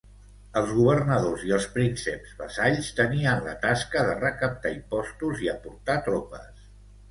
Els governadors i els prínceps vassalls tenien la tasca de recaptar impostos i aportar tropes.